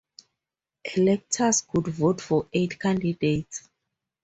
Electors could vote for eight candidates.